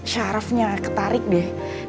syarafnya ketarik deh